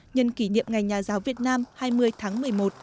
nhân kỷ niệm ngày nhà giáo việt nam hai mươi tháng một mươi một